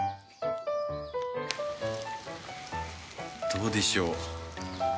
どうでしょう？